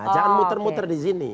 jangan muter muter disini